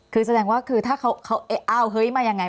คือแสดงว่าคือถ้าเขาอ้าวเฮ้ยมายังไง